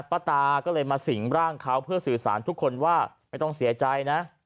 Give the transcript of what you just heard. ป้าตาก็เลยมาสิ่งร่างเขาเพื่อสื่อสารทุกคนว่าไม่ต้องเสียใจนะ